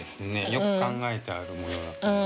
よく考えてある模様だと思います。